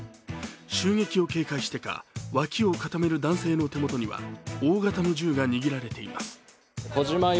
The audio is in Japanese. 襲撃を警戒してか脇を固める男性の手元には大型の銃が握られています。